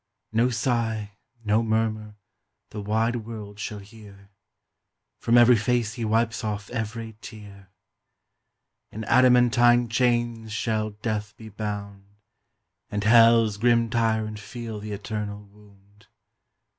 No sigh, no murmur, the wide world shall hear. From every face he wipes off every tear. In adamantine chains shall Death be bound. And Hell's grim tyrant feel th' eternal wound.